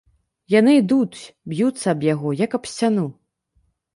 Яны ідуць, б'юцца аб яго, як аб сцяну.